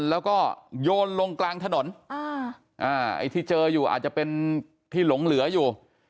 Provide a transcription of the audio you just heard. แล้วก็โยนลงกลางถนนไอ้ที่เจออยู่อาจจะเป็นที่หลงเหลืออยู่